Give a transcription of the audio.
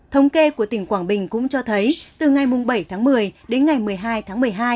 thống kê của tỉnh quảng bình cũng cho thấy từ ngày bảy tháng một mươi đến ngày một mươi hai tháng một mươi hai